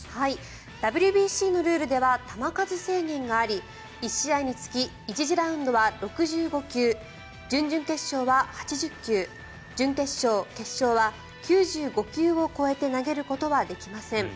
ＷＢＣのルールでは球数制限があり１試合につき１次ラウンドは６５球準々決勝は８０球準決勝、決勝は９５球を超えて投げることはできません。